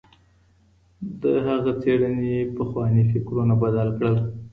د هغه څېړنې پخواني فکرونه بدل کړل.